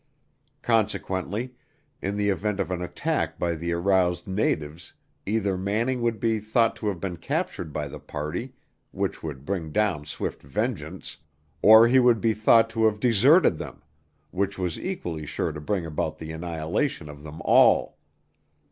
Consequently, in the event of an attack by the aroused natives either Manning would be thought to have been captured by the party, which would bring down swift vengeance, or he would be thought to have deserted them, which was equally sure to bring about the annihilation of them all.